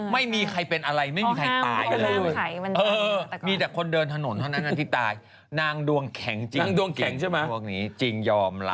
ไม่มีใครเป็นอะไรไม่มีใครตายเลยมีแต่คนเดินถนนเท่านั้นที่ตายนางดวงแข็งจริงจริงยอมรับ